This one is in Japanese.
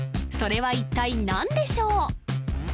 それは一体何でしょう？